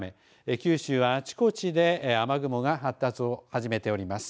九州はあちこちで雨雲が発達を始めております。